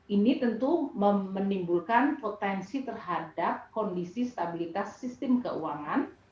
ini tentu menimbulkan potensi terhadap kondisi stabilitas sistem keuangan